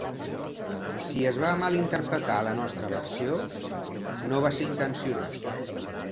Si es va mal interpretar a la nostra versió, no va ser intencionat.